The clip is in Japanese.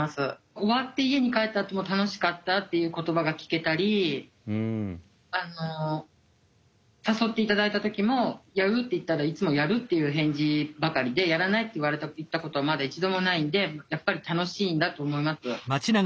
終わって家に帰ったあとも楽しかったっていう言葉が聞けたり誘って頂いた時も「やる？」って言ったらいつも「やる」っていう返事ばかりで「やらない」って言ったことはまだ一度もないんでやっぱり楽しいんだと思います。